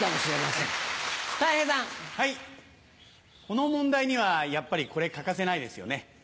この問題にはやっぱりこれ欠かせないですよね。